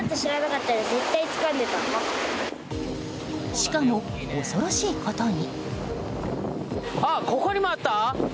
しかも、恐ろしいことに。